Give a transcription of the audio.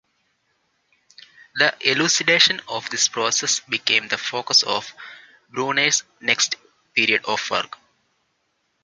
The elucidation of this process became the focus of Bruner's next period of work.